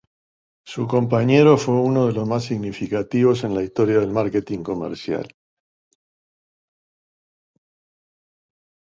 Su compañero fue uno de los más significativos en la historia del marketing comercial.